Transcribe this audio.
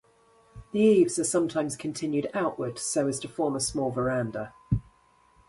The eaves are sometimes continued outward so as to form a small verandah.